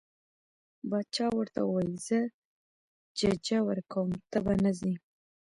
باچا ورته وویل زه ججه ورکوم ته به نه ځې.